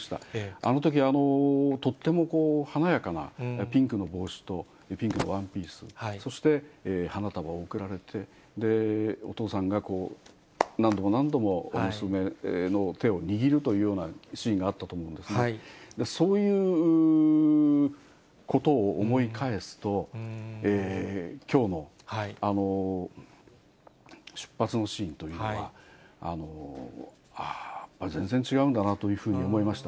あのとき、とっても華やかなピンクの帽子とピンクのワンピース、そして花束を贈られて、お父さんが何度も何度も、娘の手を握るというようなシーンがあったと思うんですが、そういうことを思い返すと、きょうの出発のシーンというのは、ああ、やっぱり全然違うんだなというふうに思いました。